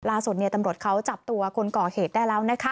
ลาสวนในตำรวจเขาจับตัวคนก่อเหตุได้แล้ว